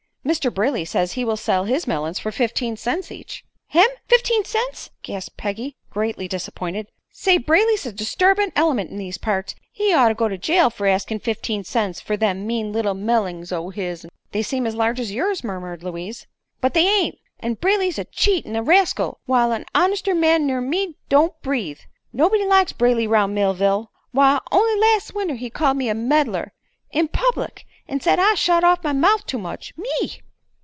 "Mr. Brayley says he will sell his melons for fifteen cents each." "Him! Fifteen cents!" gasped Peggy, greatly disappointed. "Say, Brayley's a disturbin' element in these parts. He oughter go to jail fer asking fifteen cents fer them mean little mellings o' his'n." "They seem as large as yours," murmured Louise. "But they ain't. An' Brayley's a cheat an' a rascal, while a honester man ner me don't breathe. Nobody likes Brayley 'round Millville. Why, on'y las' winter he called me a meddler in public! an' said as I shot off my mouth too much. Me!"